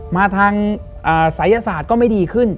มาทางศัยศาสตร์ก็ไม่ดีขึ้น